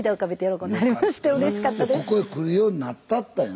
ここへ来るようになったったんやな